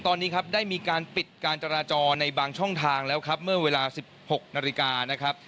ตอนนี้ได้มีการปิดการจราจรในบางช่องทางแล้วเมื่อเวลา๑๖นาฬิกา